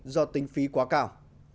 do tính phí quá cao